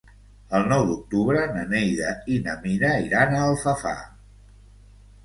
El nou d'octubre na Neida i na Mira iran a Alfafar.